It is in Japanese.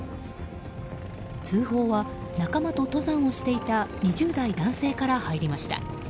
通報は、仲間と登山をしていた２０代男性から入りました。